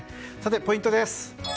ポイントです。